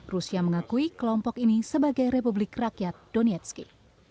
rusia mengakui kelompok ini sebagai republik rakyat donetski